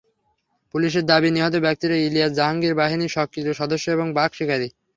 পুলিশের দাবি, নিহত ব্যক্তিরা ইলিয়াস-জাহাঙ্গীর বাহিনীর সক্রিয় সদস্য এবং বাঘ শিকারি।